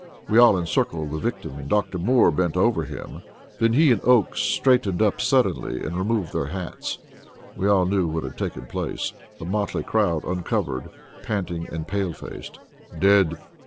We all encircled the victim, and Dr. Moore bent over him. Then he and Oakes straightened up suddenly, and removed their hats. We all knew what had taken place. The motley crowd uncovered, panting and pale faced. "Dead!"